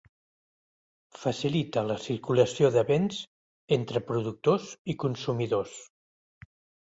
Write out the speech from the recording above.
Facilita la circulació de béns entre productors i consumidors.